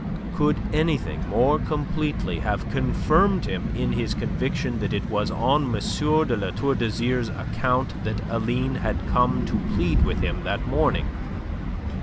Could anything more completely have confirmed him in his conviction that it was on M. de La Tour d'Azyr's account that Aline had come to plead with him that morning?